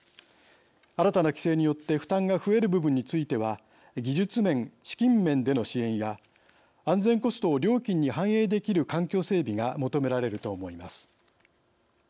新たな規制によって負担が増える部分については技術面・資金面での支援や安全コストを料金に反映できる環境整備が求められると思います。